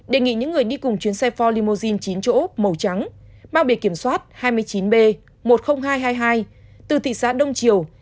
đề nghị những người đi cùng chuyến xe for limousine chín chỗ màu trắng mang bề kiểm soát hai mươi chín b một mươi nghìn hai trăm hai mươi hai từ thị xã đông triều